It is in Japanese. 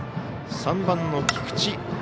３番の菊地。